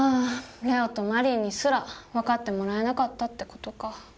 礼央とマリーにすら分かってもらえなかったって事か。